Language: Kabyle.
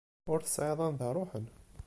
Ur tesɛiḍ anda ruḥeɣ.